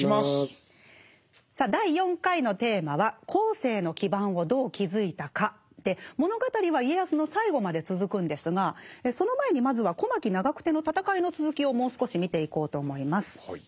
さあ第４回の物語は家康の最期まで続くんですがその前にまずは小牧・長久手の戦いの続きをもう少し見ていこうと思います。